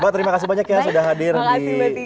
mbak terima kasih banyak ya sudah hadir di gunawani